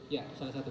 ya salah satu